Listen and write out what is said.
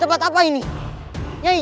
tidak ada apa apa